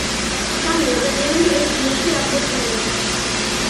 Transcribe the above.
სამი ადამიანი ერთ ბინაში აღმოჩნდება.